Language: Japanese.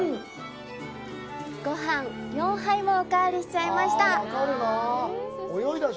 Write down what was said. ごはん４杯もおかわりしちゃいました。